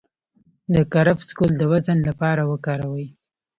د کرفس ګل د وزن لپاره وکاروئ